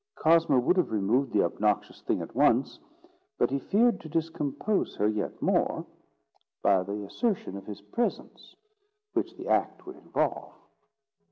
Cosmo would have removed the obnoxious thing at once, but he feared to discompose her yet more by the assertion of his presence which the act would involve.